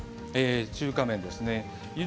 中華麺ですね。